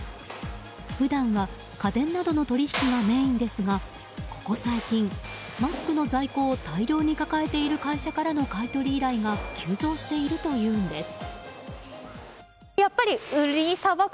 普段は、家電などの取引がメインですがここ最近、マスクの在庫を大量に抱えている会社からの買い取り依頼が急増しているというんです。